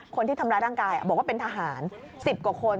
คนที่ทำร้ายร่างกายบอกว่าเป็นทหาร๑๐กว่าคน